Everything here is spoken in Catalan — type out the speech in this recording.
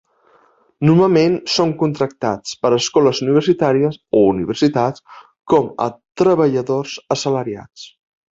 Normalment són contractats per escoles universitàries o universitats com a treballadors assalariats.